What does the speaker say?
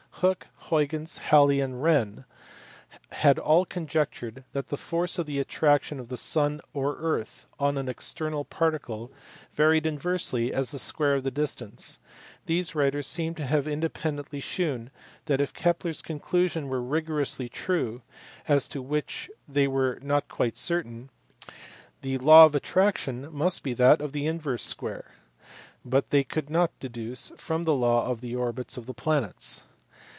Hooke, Huygens, Halley, and Wren had all conjectured that the force of the attraction of the sun or earth on an external particle varied inversely as the square of the distance. These writers seem to have independently shewn that, if Kepler s conclusions were rigorously true, as to which they were uot quite certain, the law of attraction must be that of the inverse square, but they could not deduce from the law the orbits of the planets.